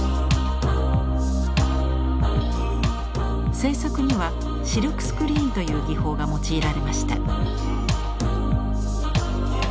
制作にはシルクスクリーンという技法が用いられました。